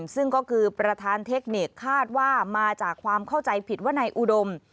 ซึ่งก็คือประธานเทคนิคคาดว่ามาจากความเข้าใจผิดว่านายอุดม